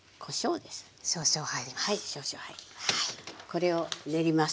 これを練ります。